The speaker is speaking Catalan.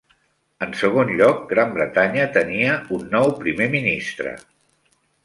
En segon lloc, Gran Bretanya tenia un nou Primer Ministre.